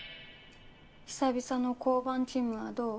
久々の交番勤務はどう？